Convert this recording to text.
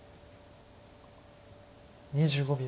２５秒。